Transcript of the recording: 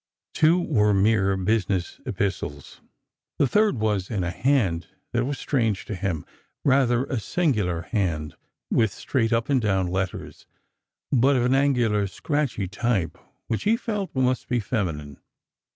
205 Two were mere business epistles; the third was in a hand that was strange to him — rather a singular hand, with straight up and down letters, but of an angular scratchy type, which he felt must be feminine.